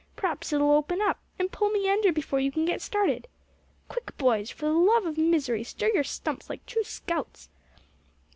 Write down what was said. P'raps it'll open up, and pull me under before you can get started. Quick, boys! For the love of misery stir your stumps like true scouts!"